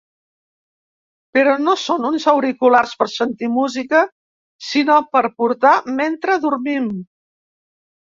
Però no són uns auriculars per sentir música, sinó per portar mentre dormim.